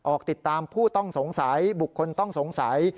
ออกติดตามผู้ต้องสงสัยบุคคลต้องสงสัย